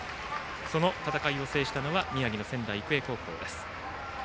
その戦いを制したのは宮城の仙台育英高校です。